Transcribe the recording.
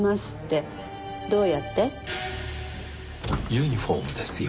ユニホームですよ。